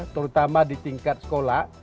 terutama di tingkat sekolah